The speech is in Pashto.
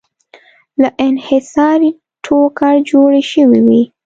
له انحصاري ټوکر جوړې شوې وې.